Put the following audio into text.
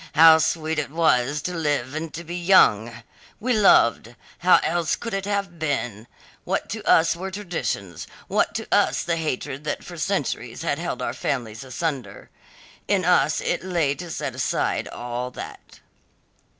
How sweet it was to live and to be young! We loved. How else could it have been? What to us were traditions, what to us the hatred that for centuries had held our families asunder? In us it lay to set aside all that.